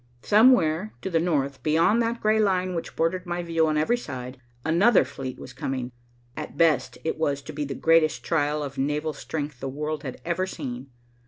Somewhere to the north, beyond that gray line which bordered my view on every side, another fleet was coming. At best, it was to be the greatest trial of naval strength the world had ever seen.